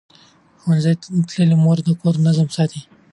ښوونځې تللې مور د کور نظم ساتي.